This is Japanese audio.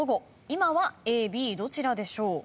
今はＡＢどちらでしょう？